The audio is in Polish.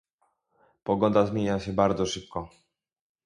Pogoda zmienia się bardzo szybko.